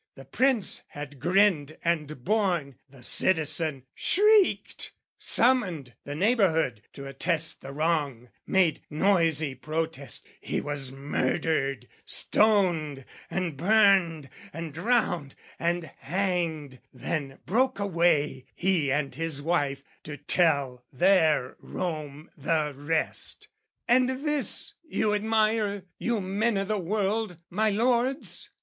The prince had grinned and borne: the citizen shrieked, Summoned the neighbourhood to attest the wrong, Made noisy protest he was murdered, stoned And burned and drowned and hanged, then broke away, He and his wife, to tell their Rome the rest. And this you admire, you men o' the world, my lords?